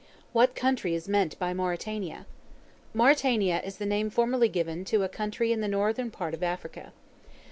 What country is meant by Mauritania? Mauritania is the name formerly given to a country in the northern part of Africa.